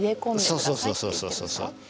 そうそうそうそう。